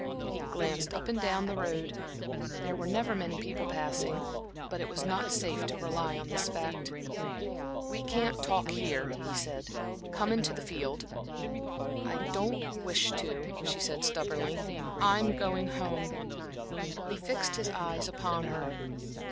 He glanced up and down the road; there were never many people passing, but it was not safe to rely on this fact. "We can't talk here," he said. "Come into the field." "I don't wish to," she said, stubbornly. "I'm going home." He fixed his eyes upon her.